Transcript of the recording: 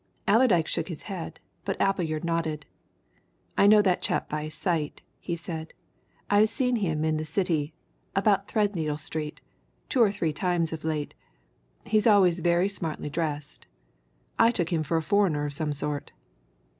Allerdyke shook his head, but Appleyard nodded. "I know that chap by sight," he said. "I've seen him in the City about Threadneedle Street two or three times of late. He's always very smartly dressed I took him for a foreigner of some sort."